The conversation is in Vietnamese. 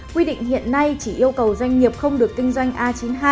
quy định hiện nay chỉ yêu cầu doanh nghiệp không được kinh doanh a chín mươi hai